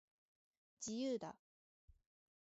自由だ